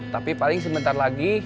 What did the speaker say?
tapi paling sebentar lagi